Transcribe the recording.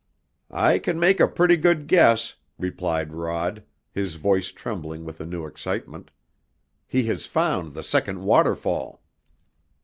"I can make a pretty good guess," replied Rod, his voice trembling with a new excitement. "He has found the second waterfall!"